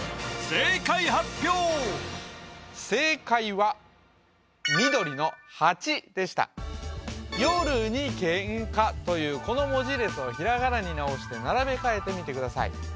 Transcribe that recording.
正解発表正解は緑のハチでした「よるにけんか」というこの文字列をひらがなに直して並べ替えてみてください